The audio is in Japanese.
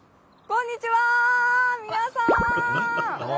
こんにちは！